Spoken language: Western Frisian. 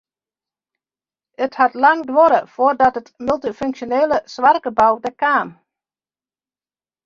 It hat lang duorre foardat it multyfunksjonele soarchgebou der kaam.